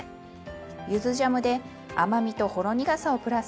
ゆずジャムで甘みとほろ苦さをプラス。